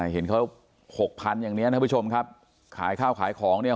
เห็นเขาหกพันอย่างนี้ท่านผู้ชมครับขายข้าวขายของเนี่ย